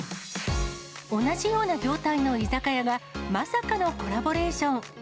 同じような業態の居酒屋が、まさかのコラボレーション。